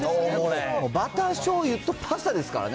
バターしょうゆとパスタですからね。